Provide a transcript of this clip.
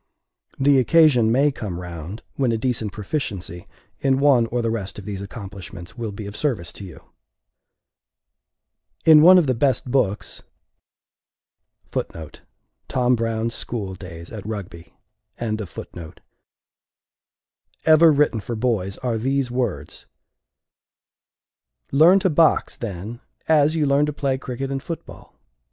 The occasion may come round, when a decent proficiency in one or the rest of these accomplishments will be of service to you. In one of the best books (1) ever written for boys are these words: "Learn to box, then, as you learn to play cricket and football.